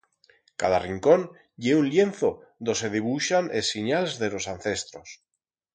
Cada rincón ye un lienzo do se dibuixan es sinyals de ros ancestros.